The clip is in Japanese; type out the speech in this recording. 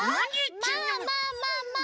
まあまあまあまあ。